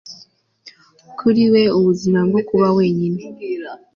kuri we ubuzima bwo kuba wenyine